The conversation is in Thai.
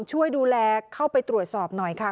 ช่วยดูแลเข้าไปตรวจสอบหน่อยค่ะ